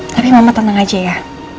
tapi mama tenang aja ya